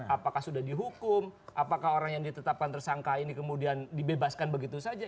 apakah sudah dihukum apakah orang yang ditetapkan tersangka ini kemudian dibebaskan begitu saja